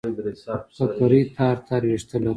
ککرۍ تار تار وېښته لرله.